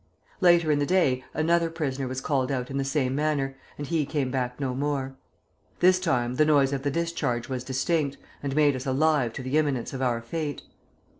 Later in the day another prisoner was called out in the same manner, and he came back no more; this time the noise of the discharge was distinct, and made us alive to the imminence of our fate.